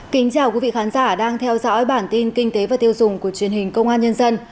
kính chào quý vị khán giả đang theo dõi bản tin kinh tế và tiêu dùng của truyền hình công an nhân dân